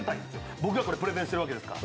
僕がこれプレゼンしてるわけですから。